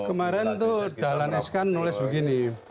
kemarin tuh dahlanes kan nulis begini